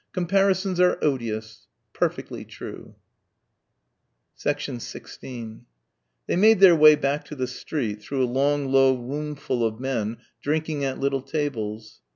"Comparisons are odious." Perfectly true. 16 They made their way back to the street through a long low roomful of men drinking at little tables.